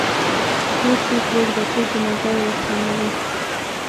اوس یې پرېږده چې جنازه یې ورسموي.